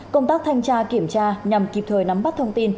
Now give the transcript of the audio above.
công tác thanh tra kiểm tra nhằm kịp thời nắm bắt thông tin